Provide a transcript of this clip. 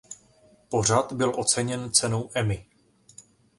Pořad byl oceněn cenou Emmy.